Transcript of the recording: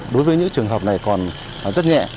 đối với những trường hợp này còn rất nhẹ